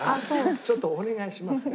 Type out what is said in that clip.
ちょっとお願いしますね。